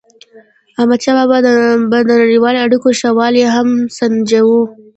احمدشاه بابا به د نړیوالو اړیکو ښه والی هم سنجاوو.